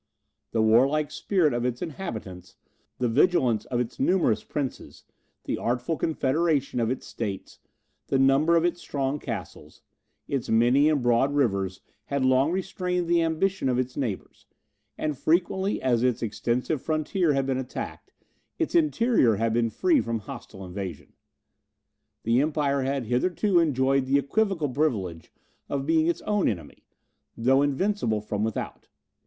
The warlike spirit of its inhabitants, the vigilance of its numerous princes, the artful confederation of its states, the number of its strong castles, its many and broad rivers, had long restrained the ambition of its neighbours; and frequently as its extensive frontier had been attacked, its interior had been free from hostile invasion. The Empire had hitherto enjoyed the equivocal privilege of being its own enemy, though invincible from without.